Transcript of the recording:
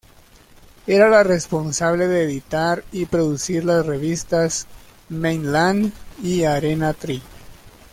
Era la responsable de editar y producir las revistas "Mainland" y "Arena Three".